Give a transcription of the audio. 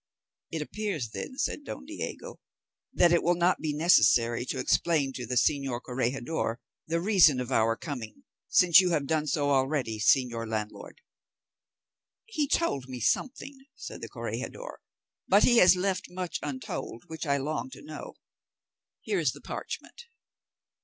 "It appears, then," said Don Diego, "that it will not be necessary to explain to the señor corregidor the reason of our coming, since you have done so already, señor landlord." "He told me something," said the corregidor, "but he has left much untold which I long to know. Here is the parchment."